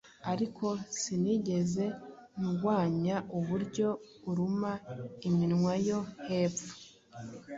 Ariko sinigeze ndwanya uburyo uruma iminwa yo hepfo